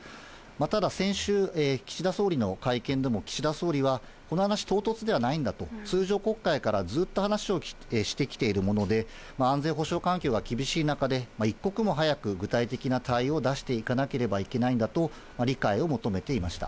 ただ先週、岸田総理の会見でも、岸田総理はこの話、唐突ではないんだと、通常国会からずっと話をしてきているもので、安全保障関係が厳しい中で一刻も早く具体的な対応を出していかなければいけないんだと、理解を求めていました。